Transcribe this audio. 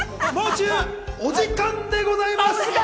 ではもう中、お時間でございます。